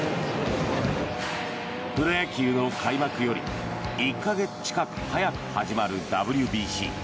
プロ野球の開幕より１か月近く早く始まるＷＢＣ。